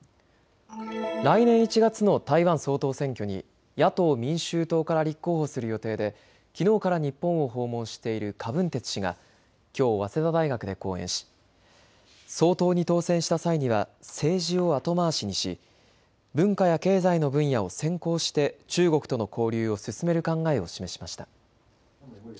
来年１月の台湾総統選挙に野党・民衆党から立候補する予定できのうから日本を訪問している柯文哲氏がきょう早稲田大学で講演し総統に当選した際には政治を後回しにし文化や経済の分野を先行して中国との交流を進める考えを示しました。